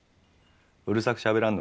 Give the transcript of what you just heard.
うるさくしゃべらんのがいい。